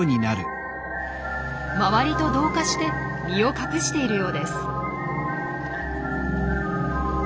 周りと同化して身を隠しているようです。